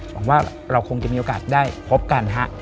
หวังว่าเราคงจะมีโอกาสได้พบกันฮะ